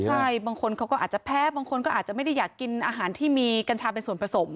ใช่บางคนเขาก็อาจจะแพ้บางคนก็อาจจะไม่ได้อยากกินอาหารที่มีกัญชาเป็นส่วนผสม